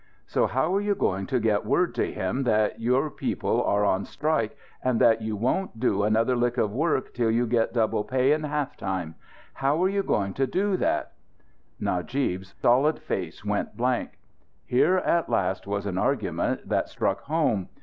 So how are you going to get word to him that you people are on strike and that you won't do another lick of work till you get double pay and half time? How are you going to do that?" Najib's solid face went blank. Here at last was an argument that struck home.